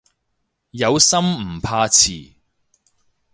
有心唔怕遲